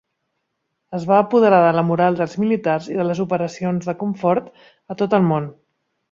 Es van apoderar de la moral dels militars i de les operacions de confort a tot el món.